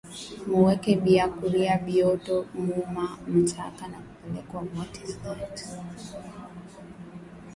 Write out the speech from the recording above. Mu weke bia kuria bioto mu ma nsaka tu ka peleke ku kanisa